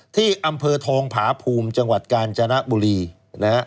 ที่อำเภอทองผาภูมิจังหวัดกาญจนบุรีนะฮะ